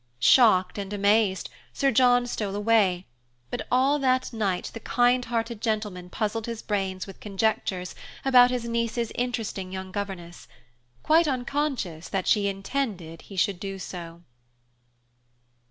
Shocked and amazed, Sir John stole away; but all that night the kindhearted gentleman puzzled his brains with conjectures about his niece's interesting young governess, quite unconscious that she intended he should do so.